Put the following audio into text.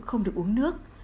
không được uống nước